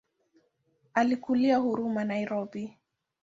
Alikulia Huruma Nairobi.